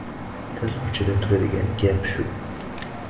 Til uchida turadigan gap shu